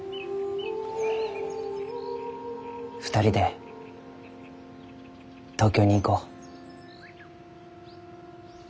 ２人で東京に行こう。